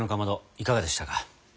いかがでしたか？